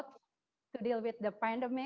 untuk menangani pandemi